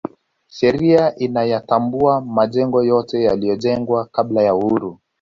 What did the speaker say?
sheria inayatambua majengo yote yaliyojengwa kabla ya uhuru